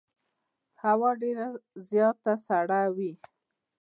هوا ډېره زیاته سړه وه.